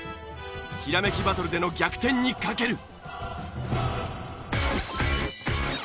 ひらめきバトルでの逆転にかける！